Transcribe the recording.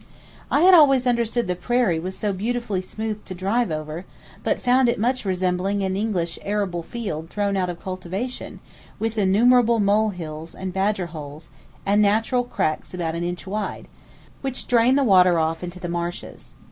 I had always understood the prairie was so beautifully smooth to drive over; but found it much resembling an English arable field thrown out of cultivation, with innumerable mole hills and badger holes, and natural cracks about an inch wide, which drain the water off into the marshes.